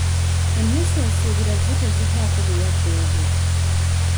Emmese osuubira zo tezivaako bulwadde obwo?